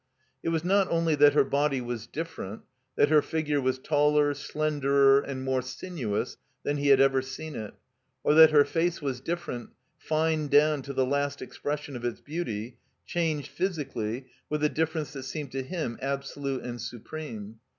It was not only that her body was different, that her figure was taller, slenderer, and more sinuous than he had ever seen it, or that her face was different, fined down to the last expression of its beauty, changed, physically, with a difference that seemed to him absolute and supreme.